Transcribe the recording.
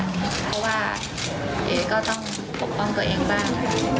เพราะว่าเอ๊ก็ต้องปกป้องตัวเองบ้าง